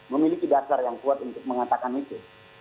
memiliki dasar yang kuat untuk mengatakan itu